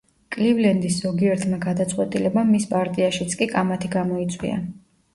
კლივლენდის ზოგიერთმა გადაწყვეტილებამ მის პარტიაშიც კი კამათი გამოიწვია.